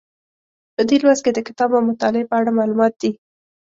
په دې لوست کې د کتاب او مطالعې په اړه معلومات دي.